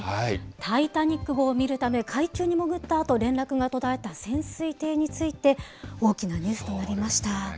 タイタニック号を見るため海中に潜ったあと連絡が途絶えた潜水艇について、大きなニュースとなりました。